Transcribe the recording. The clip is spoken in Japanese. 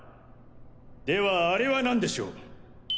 ではあれは何でしょう。